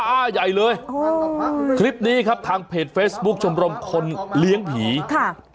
อ้าใหญ่เลยโอ้คลิปนี้ครับทางเพจเฟซบุ๊คชมรมคนเลี้ยงผีค่ะ